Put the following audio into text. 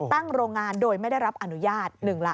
ตั้งโรงงานโดยไม่ได้รับอนุญาตหนึ่งละ